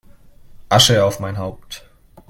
Asche auf mein Haupt!